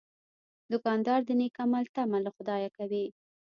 دوکاندار د نیک عمل تمه له خدایه کوي.